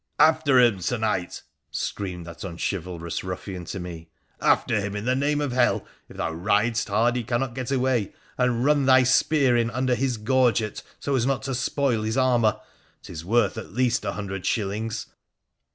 ' After him, Sir Knight,' screamed that unchivalrous ruffian to me, ' after him, in the name of hell ! If thou rid'st hard he cannot get away, and run thy spear in wider his gorget so as not to spoil his armour — 'tis worth, at least, a hundred shillings.'